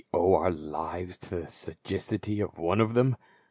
437 owe our lives to the sagacity of one of them